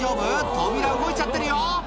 扉動いちゃってるよ